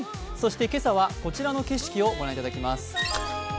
今朝はこちらの景色をご覧いただきます。